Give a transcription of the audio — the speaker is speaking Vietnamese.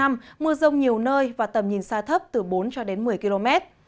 mưa rông nhiều nơi và tầm nhìn xa thấp từ bốn một mươi km